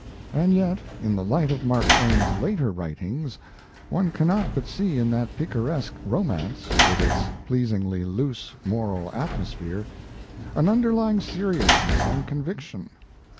And yet in the light of Mark Twain's later writings one cannot but see in that picaresque romance, with its pleasingly loose moral atmosphere, an underlying seriousness and conviction.